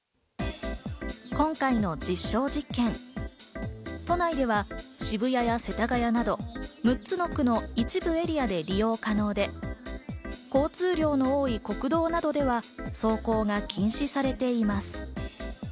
今回の実証実験、都内では渋谷や世田谷など６つの区の一部エリアで利用可能で、交通量の多い国道などでは走行が禁止されています。